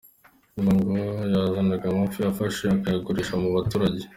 Nyuma ngo yazanaga amafi yafashe akayagurisha mu baturage.